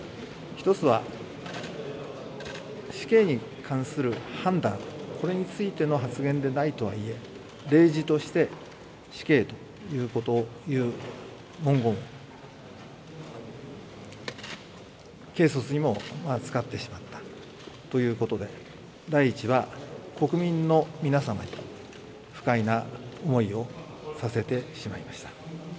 １つは、死刑に関する判断についての発言でないとはいえ、例示として、死刑という文言、軽率にも使ってしまったということで第１は、国民の皆様に不快な思いをさせてしまいました。